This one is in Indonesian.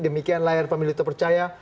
demikian layar pemilu terpercaya